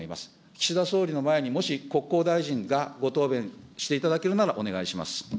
岸田総理の前にもし国交大臣がご答弁していただけるなら、お願いします。